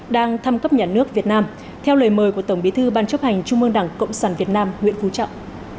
đang thăm cấp nhà nước việt nam theo lời mời của tổng bí thư ban chấp hành trung mương đảng cộng sản việt nam nguyễn phú trọng